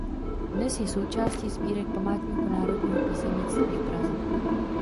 Dnes je součástí sbírek Památníku národního písemnictví v Praze.